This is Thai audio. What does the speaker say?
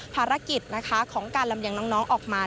ภารกิจนะคะของการลำเลียงน้องออกมา